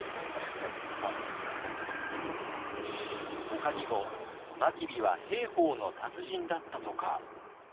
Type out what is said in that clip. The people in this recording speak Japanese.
ほかにも真備は兵法の達人だったとか。